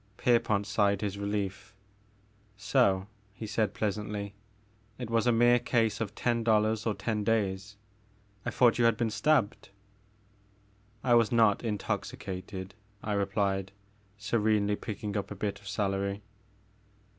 Pierpont sighed his relief. So," he said pleasantly, it was a mere case of ten dollars or ten days. I thought you had been stabbed " I was not intoxicated," I replied, serenely picking up a bit of celery.